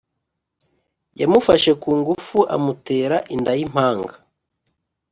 Yamufashe kungufu amutera inda y’impanga